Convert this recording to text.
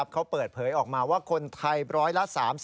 เขาเปิดเผยออกมาว่าคนไทยร้อยละ๓๐